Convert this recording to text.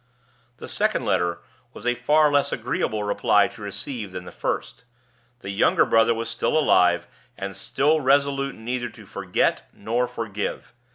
The second letter was a far less agreeable reply to receive than the first. The younger brother was still alive, and still resolute neither to forget nor forgive.